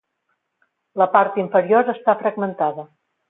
La part inferior està fragmentada.